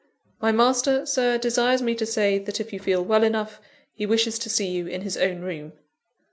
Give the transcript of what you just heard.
"My master, Sir, desires me to say that, if you feel well enough, he wishes to see you in his own room."